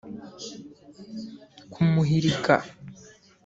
kumuhirika